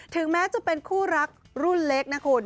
ถึงแม้จะเป็นคู่รักรุ่นเล็กนะคุณ